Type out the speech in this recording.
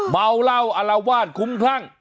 เมาเหล้าอารวาสคุ้มคลั่ง